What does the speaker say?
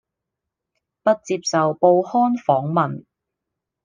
不接受報刊訪問